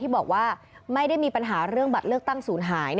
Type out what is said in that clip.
บอกว่าไม่ได้มีปัญหาเรื่องบัตรเลือกตั้งศูนย์หาย